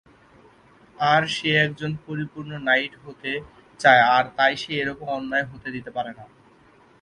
আর সে একজন পরিপূর্ণ নাইট হতে চায় আর তাই সে এরকম অন্যায় হতে দিতে পারে না।